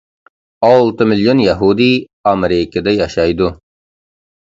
ئالتە مىليون يەھۇدىي ئامېرىكىدا ياشايدۇ.